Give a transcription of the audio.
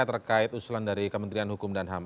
terkait usulan dari kementerian hukum dan ham